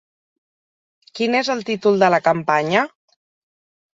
Quin és el títol de la campanya?